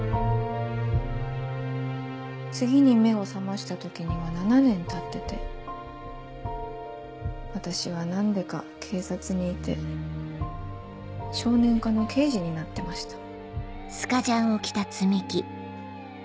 次に目を覚ました時には７年たってて私は何でか警察にいて少年課の刑事になってました。